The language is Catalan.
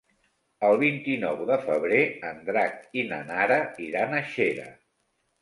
El vint-i-nou de febrer en Drac i na Nara iran a Xera.